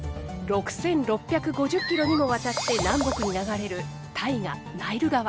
６，６５０キロにもわたって南北に流れる大河ナイル川。